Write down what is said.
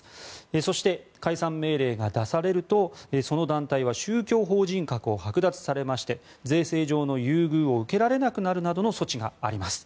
そして、解散命令が出されるとその団体は宗教法人格を剥奪されまして、税制上の優遇を受けられなくなるなどの措置があります。